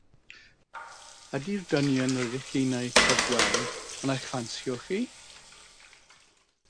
'Ydy'r dynion rydych chi'n eu cyfweld yn eich ffansio chi?